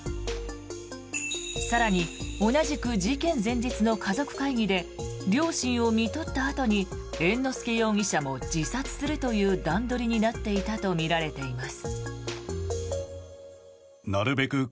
更に、同じく事件前日の家族会議で両親をみとったあとに猿之助容疑者も自殺するという段取りになっていたとみられています。